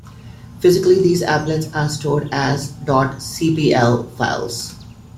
Physically, these applets are stored as ".cpl" files.